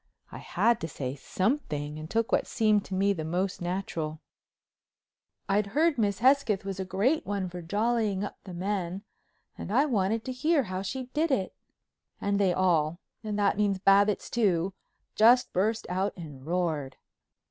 I had to say something and took what seemed to me the most natural. "I'd heard Miss Hesketh was a great one for jollying up the men and I wanted to hear how she did it." And they all—that means Babbitts, too—just burst out and roared.